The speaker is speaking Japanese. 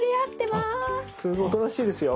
すごいおとなしいですよ。